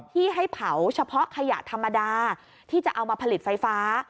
ที่ให้เผาเฉพาะขยะธรรมดาที่จะเอามาผลิตไฟฟ้า